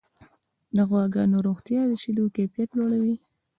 د غواګانو روغتیا د شیدو کیفیت لوړوي.